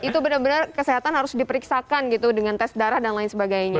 nah itu benar benar kesehatan harus diperiksakan gitu dengan tes darah dan lain sebagainya ya